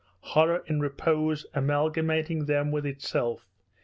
Horror in repose amalgamating them with itself.